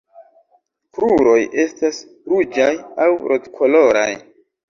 Kruroj estas ruĝaj aŭ rozkoloraj.